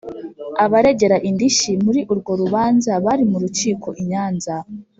Abaregera indishyi muri urwo rubanza bari mu rukiko i Nyanza